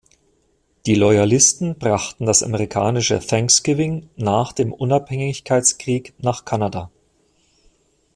Die Loyalisten brachten das amerikanische Thanksgiving nach dem Unabhängigkeitskrieg nach Kanada.